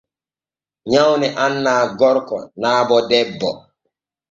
Nyawne annaa gorko naa bo debbo.